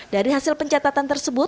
dari hasil pencatatan tersebut